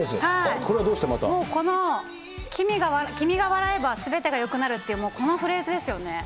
この君が笑えばすべてがよくなるという、このフレーズですよね。